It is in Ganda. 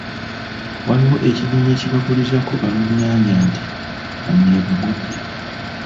Waliwo ekinyonyi ekibaguliza ku balunnyanja nti omuyaga gujja.